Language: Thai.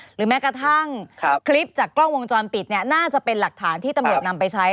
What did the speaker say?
หรือแม้กระทั่งคลิปจากกล้องวงจรปิดเนี่ยน่าจะเป็นหลักฐานที่ตำรวจนำไปใช้